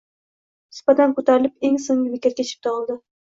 Supadan ko’tarilib, eng so’nggi bekatga chipta oldi.